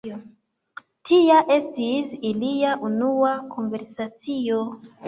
Tia estis ilia unua konversacio.